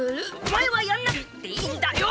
お前はやんなくっていいんだよ！